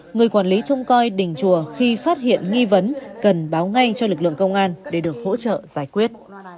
người quản lý trông coi đình chùa khi phát hiện nghi vấn cần báo ngay cho lực lượng công an để được hỗ trợ giải quyết